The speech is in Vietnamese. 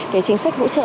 cái chính sách hỗ trợ